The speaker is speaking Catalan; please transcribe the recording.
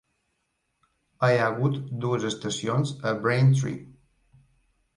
Hi ha hagut dues estacions a Braintree.